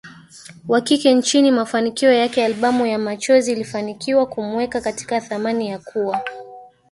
wa kike nchini Mafanikio yake Albamu ya Machozi ilifanikiwa kumweka katika thamani ya kuwa